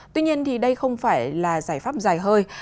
tuy nhiên đây không phải là giải pháp dài hơi